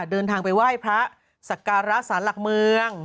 เดินทางไปไหว้พระสักการะสารหลักเมือง